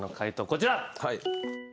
こちら。